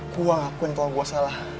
gue ngakuin kalau gue salah